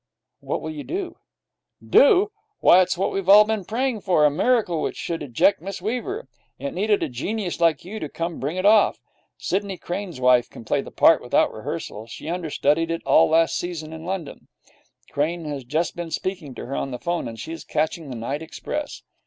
'What will you do?' 'Do! Why, it's what we have all been praying for a miracle which should eject Miss Weaver. It needed a genius like you to come to bring it off. Sidney Crane's wife can play the part without rehearsal. She understudied it all last season in London. Crane has just been speaking to her on the phone, and she is catching the night express.'